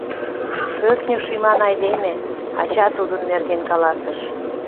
«Шӧртньӧ шӱман айдеме», — ача тудын нерген каласыш.